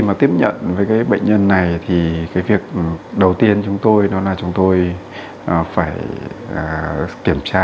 mà tiếp nhận với cái bệnh nhân này thì cái việc đầu tiên chúng tôi đó là chúng tôi phải kiểm tra